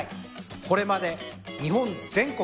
これまで日本全国